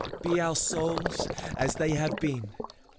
Be our souls, as they have been.